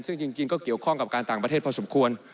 ซึ่งจริงก็เกี่ยวข้องกับการต่างประเทศพอสมควร